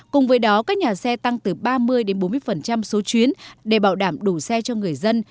cùng với đó các nhà xe tăng từ ba mươi đến bốn mươi số chuyến để bảo đảm đủ xe cho người dân